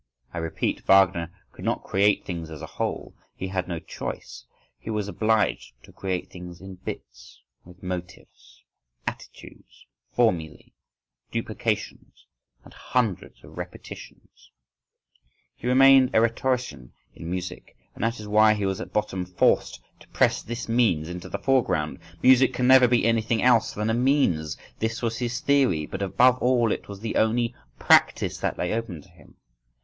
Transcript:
I repeat, Wagner could not create things as a whole; he had no choice, he was obliged to create things in bits, with "motives," attitudes, formulæ, duplications, and hundreds of repetitions, he remained a rhetorician in music,—and that is why he was at bottom forced to press "this means" into the foreground. "Music can never be anything else than a means": this was his theory, but above all it was the only practice that lay open to him.